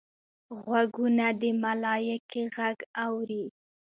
غوږونه د ملایکې غږ اوري